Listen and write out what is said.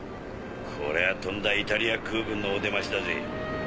こりゃとんだイタリア空軍のお出ましだぜ。